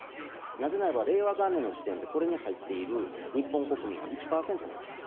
なぜならば、令和元年の時点で、これに入っている日本国民は１％なんです。